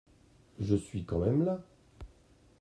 Je suis quand même là.